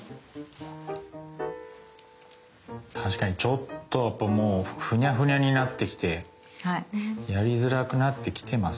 確かにちょっとやっぱもうフニャフニャになってきてやりづらくなってきてます